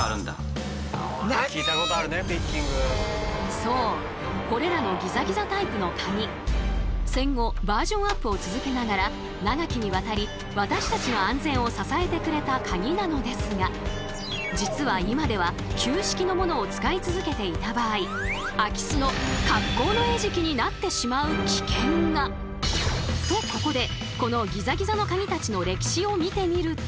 そうこれらのギザギザタイプのカギ戦後バージョンアップを続けながら長きにわたり私たちの安全を支えてくれたカギなのですが実は今では旧式のものを使い続けていた場合空き巣の格好の餌食になってしまう危険が！とここでこのギザギザのカギたちの歴史を見てみると。